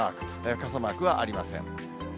傘マークはありません。